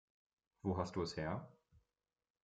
Wo hast du es her?